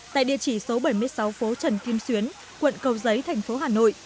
tại địa chỉ số bảy mươi sáu phố trần kim xuyến quận cầu giấy thành phố hà nội